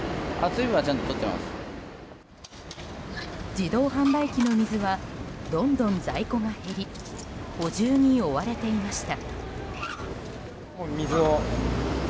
自動販売機の水はどんどん在庫が減り補充に追われていました。